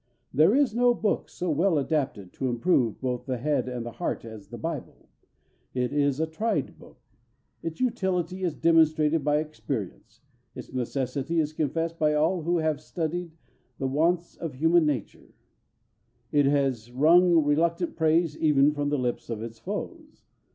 There is no book so well adapted to improve both the head and the heart as the Bible. It is a tried book. Its utility is demonstrated by experience; its necessity is confessed by all who have studied the wants of human nature; it has wrung reluctant praise even from the lips of its foes.